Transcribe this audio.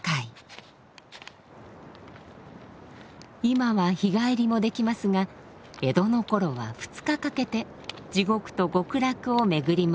今は日帰りもできますが江戸のころは２日かけて地獄と極楽をめぐりました。